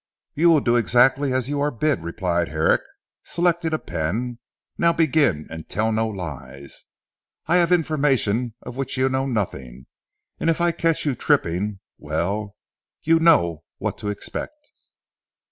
"You will do exactly as you are bid," replied Herrick selecting a pen, "now begin, and tell no lies. I have information of which you know nothing, and if I catch you tripping well you know what to expect."